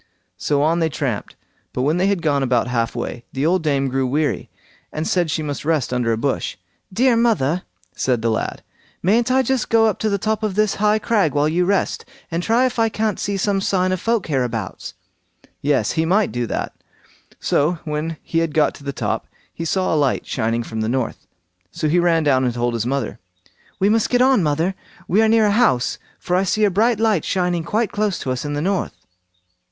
So on they tramped; but when they had got about half way, the old dame grew weary, and said she must rest under a bush. "Dear mother", said the lad, "mayn't I just go up to the top of this high crag while you rest, and try if I can't see some sign of folk hereabouts?" Yes! he might do that; so when he had got to the top, he saw a light shining from the north. So he ran down and told his mother. "We must get on, mother; we are near a house, for I see a bright light shining quite close to us in the north."